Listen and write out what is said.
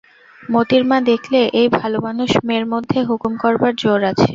মোতির মা দেখলে এই ভালোমানুষ-মেয়ের মধ্যে হুকুম করবার জোর আছে।